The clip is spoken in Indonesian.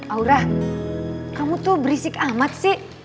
aura kamu tuh berisik amat sih